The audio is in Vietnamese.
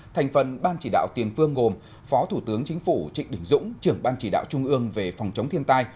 thành phần ban chỉ đạo tiền phương gồm phó thủ tướng chính phủ trịnh đình dũng trưởng ban chỉ đạo trung ương về phòng chống thiên tai